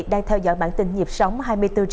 đang theo dõi bản tin nhịp sóng hai mươi bốn h bảy